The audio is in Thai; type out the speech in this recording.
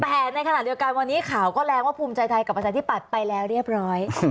แต่ในขณะเดียวกันวันนี้ข่าวก็แรงว่าภูมิใจไทยกับประชาธิปัตย์ไปแล้วเรียบร้อย